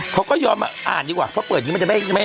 เขาก็ยอมอ่านดีกว่าเพราะเปิดนี้